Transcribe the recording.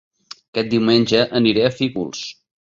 Aquest diumenge aniré a Fígols